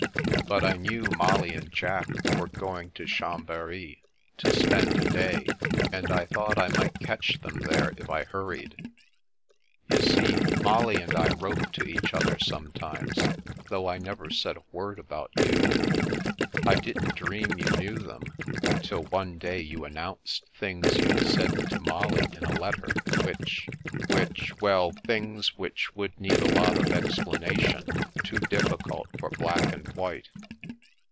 But I knew Molly and Jack were going to Chambery to spend a day, and I thought I might catch them there, if I hurried. You see, Molly and I wrote to each c^er sometimes, though I never said a word about you. I didn't dream you knew them, until one day you announced things you'd said to Molly in a letter, which — ^which — ^well, things which would need a lot of explana tion, too difficult for black and white."